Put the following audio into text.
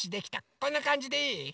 こんなかんじでいい？